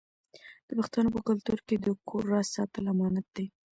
د پښتنو په کلتور کې د کور راز ساتل امانت دی.